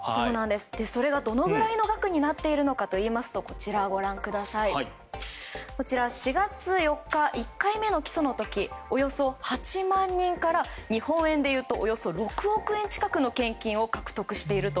それがどのくらいの額になっているのかといいますと４月４日、１回目の起訴の時およそ８万人から日本円でいうとおよそ６億円近くの献金を獲得していると。